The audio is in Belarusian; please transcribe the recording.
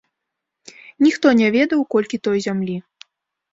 Ніхто не ведаў, колькі той зямлі.